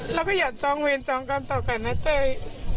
แล้วก็อย่าจ้องเวทจ้องกรรมต่อกันนะเต้ย